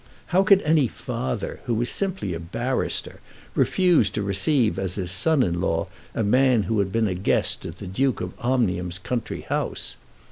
How could any father, who was simply a barrister, refuse to receive as his son in law a man who had been a guest at the Duke of Omnium's country house?